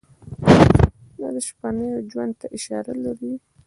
دا د شپنو ژوند ته اشاره لري.